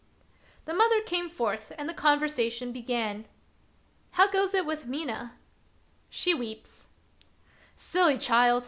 The mother came forth and the conversation began. " How goes it with Mina }"" She weeps." " Silly child